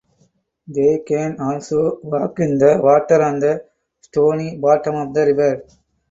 They can also walk in the water on the stony bottom of the river.